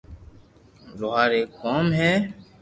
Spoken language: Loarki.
لوھار ايڪ قوم ھي